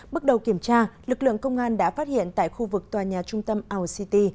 bước đầu kiểm tra lực lượng công an đã phát hiện tại khu vực tòa nhà trung tâm our city